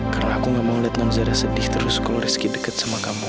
karena aku gak mau liat nonzara sedih terus kalo rizky deket sama kamu